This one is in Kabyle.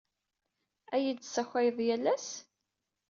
Ad iyi-d-tessakayeḍ yal ass?